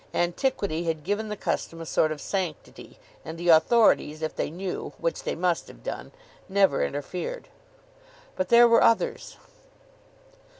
Antiquity had given the custom a sort of sanctity, and the authorities, if they knew which they must have done never interfered. But there were others.